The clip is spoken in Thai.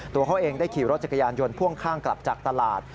ตัวเขาเองได้ขี่รถจักรยานยนต์พ่วงข้างกลับจากตลาด